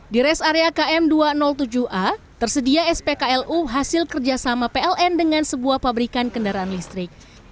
di res area km dua ratus tujuh a tersedia spklu hasil kerjasama pln dengan sebuah pabrikan kendaraan listrik